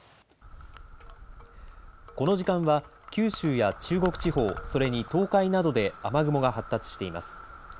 この時間は九州や中国地方それに東海などで雨雲が発達しています。